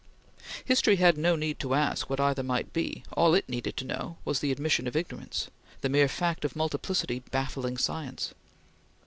History had no need to ask what either might be; all it needed to know was the admission of ignorance; the mere fact of multiplicity baffling science.